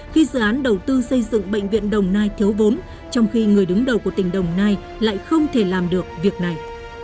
khi dự án đầu tư xây dựng bệnh viện đồng nai thiếu vốn trong khi người đứng đầu của tỉnh đồng nai lại không thể làm được việc này